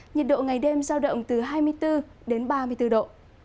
nhiệt độ ngày đêm giao động từ hai mươi bốn đến ba mươi bốn độ